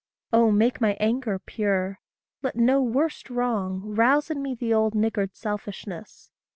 Oh, make my anger pure let no worst wrong Rouse in me the old niggard selfishness.